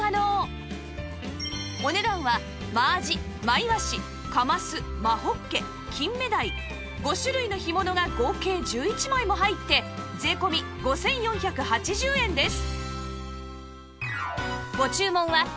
お値段は真あじ真いわしかます真ほっけ金目鯛５種類の干物が合計１１枚も入って税込５４８０円です